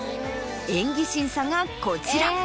演技審査がこちら。